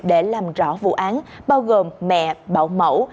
để làm rõ vụ án bao gồm mẹ bảo mẫu